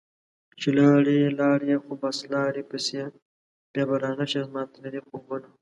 چې لاړي لاړي خو بس لاړي پسي ، بیا به رانشي زما تللي خوبه